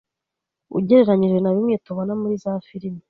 ugereranyije na bimwe tubona muri za filme.